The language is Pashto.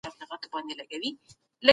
د ګنجیتوب درملنې لپاره درې لارې شته.